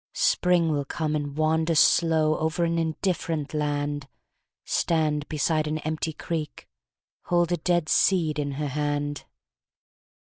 Spring will come, and wander slow Over an indifferent land, Stand beside an empty creek, Hold a dead seed in her hand."